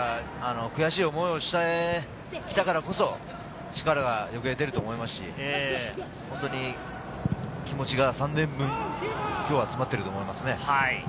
悔しい思いをして来たからこそ、力は余計出ると思いますし、本当に気持ちが３年分、今日は詰まっていると思いますね。